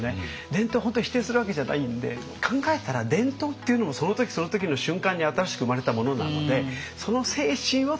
伝統本当に否定するわけじゃないんで考えたら伝統っていうのもその時その時の瞬間に新しく生まれたものなのでその精神は大切に。